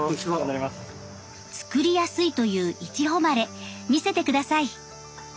作りやすいといういちほまれ見せて下さい。